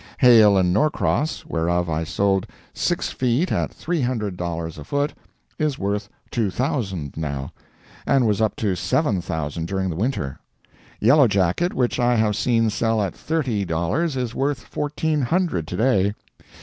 Hale & Norcross, whereof I sold six feet at three hundred dollars a foot, is worth two thousand, now, and was up to seven thousand during the winter. Yellow Jacket which I have seen sell at thirty dollars, is worth fourteen hundred, to day.